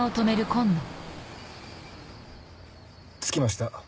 着きました。